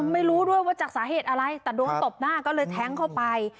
ไม่รู้ด้วยว่าจากสาเหตุอะไรแต่โดนตบหน้าก็เลยแท้งเข้าไป